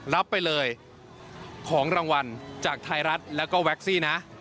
รับไปเลยของรางวัลจากไทยรัฐแล้วก็แก๊กซี่นะ